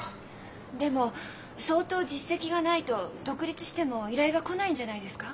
でも相当実績がないと独立しても依頼が来ないんじゃないですか？